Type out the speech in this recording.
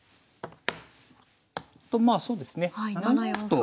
まあそうですね７四歩。